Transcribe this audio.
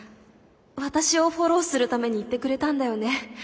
私をフォローするために言ってくれたんだよね。